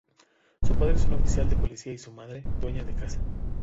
Su padre es un oficial de Policía y su madre, dueña de casa.